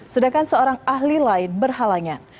sedangkan seorang ahli lain berhalangan